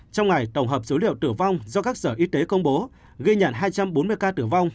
trong ngày tổng hợp số liệu tử vong do các sở y tế công bố ghi nhận hai trăm bốn mươi ca tử vong